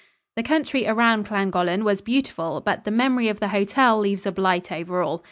The country around Llangollen was beautiful, but the memory of the hotel leaves a blight over all.